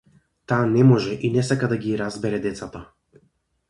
Таа не може и не сака да ги разбере децата.